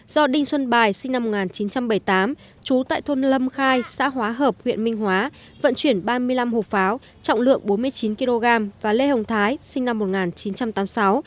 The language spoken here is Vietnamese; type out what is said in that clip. sinh năm một nghìn chín trăm bảy mươi tám chú tại thôn lâm khai xã hóa hợp huyện minh hóa vận chuyển ba mươi năm hộp pháo trọng lượng bốn mươi chín kg và lê hồng thái sinh năm một nghìn chín trăm tám mươi sáu